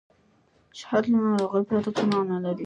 صحت له ناروغۍ پرته څه معنا لري.